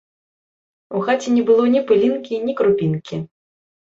У хаце не было ні пылінкі, ні крупінкі.